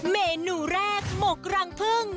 เมนูแรกหมกรังพึ่ง